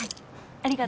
ありがと。